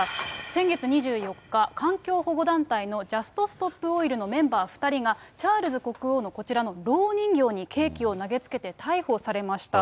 先月２４日、環境保護団体のジャスト・ストップ・オイルのメンバー２人が、チャールズ国王のこちらのろう人形にケーキを投げつけて逮捕されました。